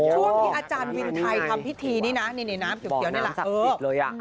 ช่วงที่อาจารย์วินไทยทำพิธีนี่นะนี่น้ำเขียวนี่แหละ